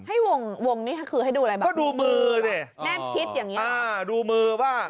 ให้วงนี้คือให้ดูอะไรแบบแน่มชิดอย่างนี้หรอก็ดูมือเนี่ย